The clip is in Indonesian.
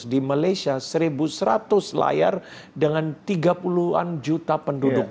di malaysia satu seratus layar dengan tiga puluh an juta penduduk